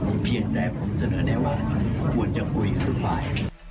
แต่ผมเสนอแนะว่าควรจะคุยกันพลาด